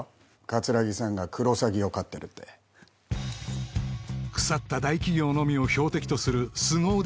桂木さんがクロサギを飼ってるって腐った大企業のみを標的とする凄腕